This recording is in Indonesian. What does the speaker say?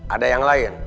ada yang lain